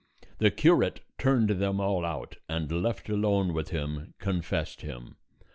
The curate turned them all out, and left alone with him, confessed him.